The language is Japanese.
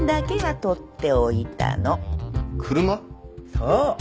そう！